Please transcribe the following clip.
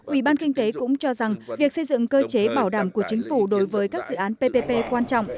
ubk cũng cho rằng việc xây dựng cơ chế bảo đảm của chính phủ đối với các dự án ppp quan trọng